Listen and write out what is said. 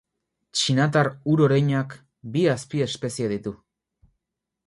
Txinatar ur-oreinak bi azpiespezie ditu.